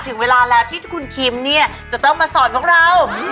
ถึงเวลาที่คุณคิมจะต้องมาสอนของเรา